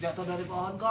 jatuh dari pohon kau